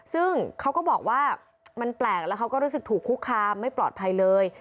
ซึ่งเขาก็บอกว่ามันแปลกแล้วเขาก็รู้สึกถูกคุกคามไม่ปลอดภัยเลย